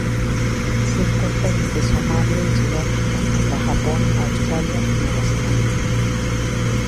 Se encuentra desde Somalia y Sudáfrica hasta el Japón, Australia y Nueva Zelanda.